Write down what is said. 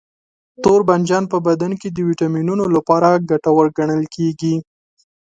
توربانجان په بدن کې د ویټامینونو لپاره ګټور ګڼل کېږي.